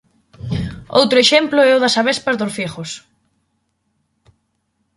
Outro exemplo é o das avespas dos figos.